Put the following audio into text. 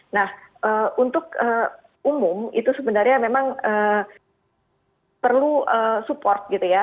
nah untuk umum itu sebenarnya memang perlu support gitu ya